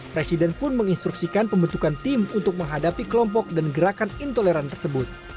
presiden pun menginstruksikan pembentukan tim untuk menghadapi kelompok dan gerakan intoleran tersebut